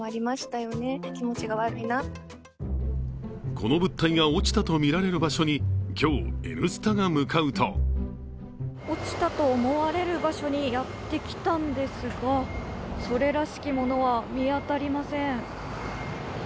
この物体が落ちたと見られる場所に今日、「Ｎスタ」が向かうと落ちたと思われる場所にやってきたんですがそれらしきものは見当たりません。